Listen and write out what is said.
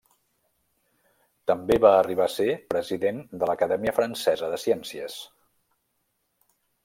També va arribar a ser president de l'Acadèmia Francesa de Ciències.